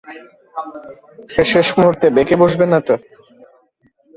সে শেষ মুহূর্তে বেঁকে বসবে না তো?